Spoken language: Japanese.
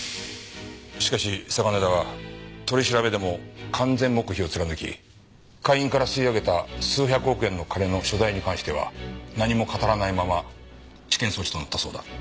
しかし嵯峨根田は取り調べでも完全黙秘を貫き会員から吸い上げた数百億円の金の所在に関しては何も語らないまま地検送致となったそうだ。